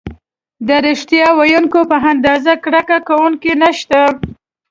د ریښتیا ویونکي په اندازه کرکه کوونکي نشته.